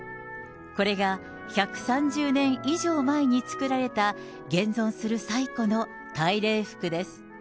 これが１３０年以上前に作られた現存する最古の大礼服です。